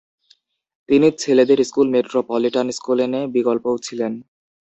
তিনি ছেলেদের স্কুল মেট্রোপলিটানস্কোলেনে বিকল্পও ছিলেন।